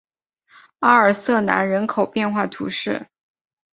阿尔瑟南人口变化图示